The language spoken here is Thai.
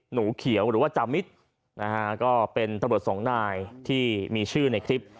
หนูเขียวหรือว่าจามิตรนะฮะก็เป็นตำรวจสองนายที่มีชื่อในคลิป